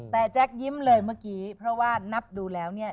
แต่แจ๊คยิ้มเลยเมื่อกี้เพราะว่านับดูแล้วเนี่ย